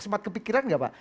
sempat kepikiran gak pak